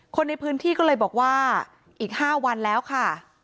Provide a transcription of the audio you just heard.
คนในพื้นที่ก็เลยบอกว่าอีก๕วันแล้วค่ะ